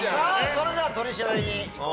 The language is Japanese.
それでは取り調べにいこう。